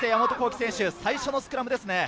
最初のスクラムですね。